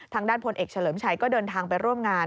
ทางด้านพลเอกเฉลิมชัยก็เดินทางไปร่วมงาน